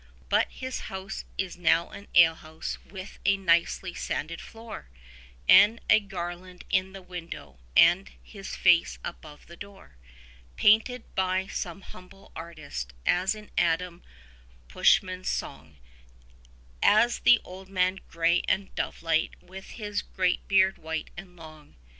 But his house is now an ale house, with a nicely sanded floor, And a garland in the window, and his face above the door; 40 Painted by some humble artist, as in Adam Puschman's song, As the old man grey and dove like, with his great beard white and long.